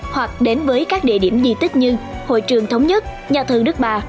hoặc đến với các địa điểm di tích như hội trường thống nhất nhà thờ đức bà